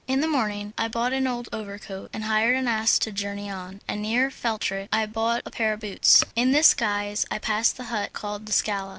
In the morning, I bought an old overcoat, and hired an ass to journey on, and near Feltre I bought a pair of boots. In this guise I passed the hut called the Scala.